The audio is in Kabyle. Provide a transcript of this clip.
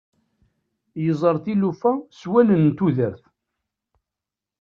Yeẓẓar tilufa s wallen n tudert.